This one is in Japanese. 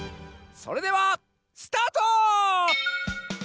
それではスタート！